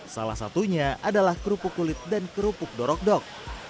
salah satunya adalah kerupuk kulit dan kerupuk dorok dok